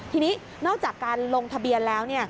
ทีนี้นอกจากการลงทะเบียนแล้ว